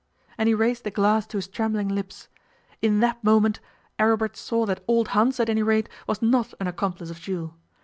And he raised the glass to his trembling lips. In that moment Aribert saw that old Hans, at any rate, was not an accomplice of Jules.